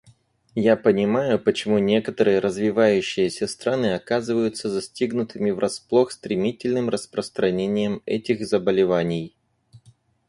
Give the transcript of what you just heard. Я понимаю, почему некоторые развивающиеся страны оказываются застигнутыми врасплох стремительным распространением этих заболеваний.